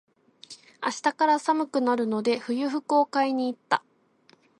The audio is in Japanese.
明日から寒くなるので、冬服を買いに行った。